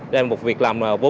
đây là một việc làm vô cùng tốt